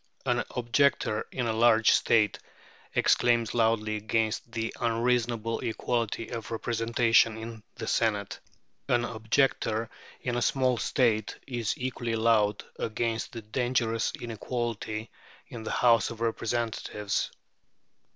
An objector in a large state exclaims loudly against the unreasonable equality of representation in the Senate. An objector in a small state is equally loud against the dangerous inequality in the House of Representatives.